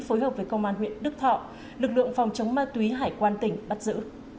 phối hợp với công an huyện đức thọ lực lượng phòng chống ma túy hải quan tỉnh bắt giữ